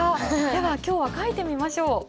では今日は書いてみましょう。